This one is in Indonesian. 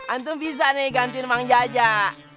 antum bisa nih gantiin emang jajah